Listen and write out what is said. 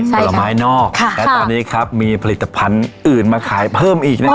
ผลไม้นอกและตอนนี้ครับมีผลิตภัณฑ์อื่นมาขายเพิ่มอีกนะครับ